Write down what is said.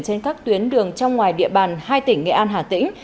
trên các tuyến đường trong ngoài địa bàn hai tỉnh nghệ an hà tĩnh